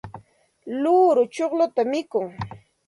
luuru chuqlluta mikun.